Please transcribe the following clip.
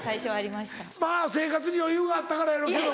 まぁ生活に余裕があったからやろうけど。